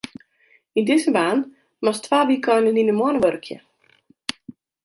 Yn dizze baan moatst twa wykeinen yn 'e moanne wurkje.